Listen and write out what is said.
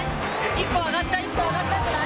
１個上がった１個上がった。